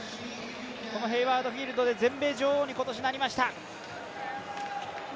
このヘイワード・フィールドで全米女王に今年なりました。